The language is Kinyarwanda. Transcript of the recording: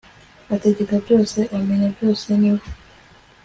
ategeka byose, amenya byose, ni we